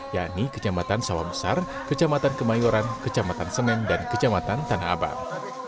yaitu kecamatan sawamesar kecamatan kemayoran kecamatan seneng dan kecamatan tanah abang